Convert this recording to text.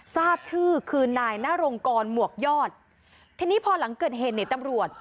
ทราบชื่อคือนายนรงกรหมวกยอดทีนี้พอหลังเกิดเหตุในตำรวจ